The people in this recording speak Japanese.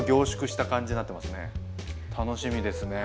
楽しみですね。